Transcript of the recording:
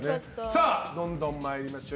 どんどん参りましょう。